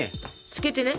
つけてね。